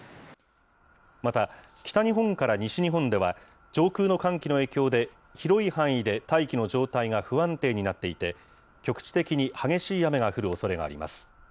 また、北日本から西日本では、上空の寒気の影響で、広い範囲で大気の状態が不安定になっていて、局地的に激しい雨が降るおそれがあります。